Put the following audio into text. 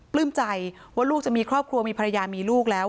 ปลื้มใจว่าลูกจะมีครอบครัวมีภรรยามีลูกแล้ว